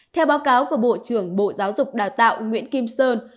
theo báo cáo của bộ trưởng bộ giáo dục đào tạo nguyễn kim sơn